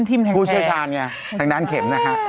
ทางด้านเข็มนะฮะ